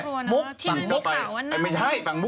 ก็เลยคิดละนะ